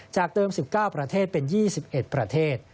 จากเดิม๑๙ประเทศเป็น๒๑ประเทศ